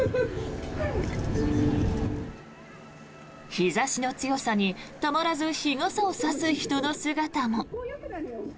日差しの強さにたまらず日傘を差す人の姿も。